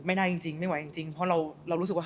ไม่ได้จริงไม่ไหวจริงเพราะเรารู้สึกว่า